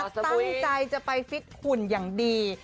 ตั้งใจจะไปฟิตหุ่นอย่างดี